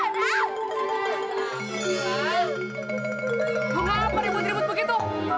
lu ngapain ribut ribut begitu